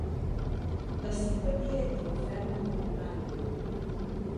La simpatia entre el ferro i l'imant.